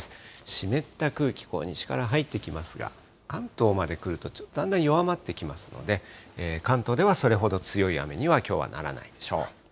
湿った空気、西から入ってきますが、関東まで来ると、ちょっとだんだん弱まってきますので、関東ではそれほど強い雨には、きょうはならないでしょう。